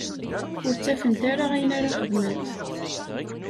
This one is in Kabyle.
Ur ttafent ara ayen ara xedment.